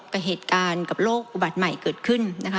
กับเหตุการณ์กับโรคอุบัติใหม่เกิดขึ้นนะคะ